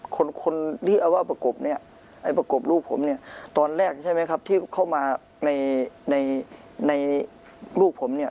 คนที่เอาว่าประกบเนี่ยไอ้ประกบลูกผมเนี่ยตอนแรกใช่ไหมครับที่เข้ามาในในลูกผมเนี่ย